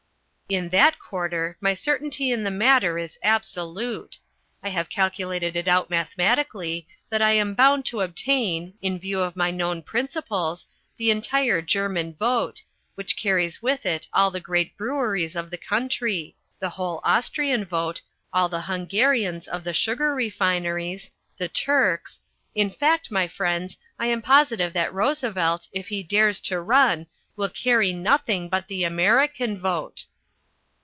"In that quarter my certainty in the matter is absolute. I have calculated it out mathematically that I am bound to obtain, in view of my known principles, the entire German vote which carries with it all the great breweries of the country the whole Austrian vote, all the Hungarians of the sugar refineries, the Turks; in fact, my friends, I am positive that Roosevelt, if he dares to run, will carry nothing but the American vote!"